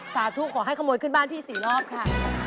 สาธุขอให้ขโมยขึ้นบ้านพี่๔รอบค่ะ